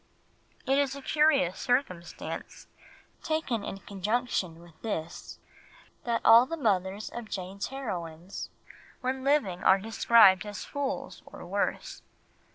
It is a curious circumstance, taken in conjunction with this, that all the mothers of Jane's heroines, when living, are described as fools or worse.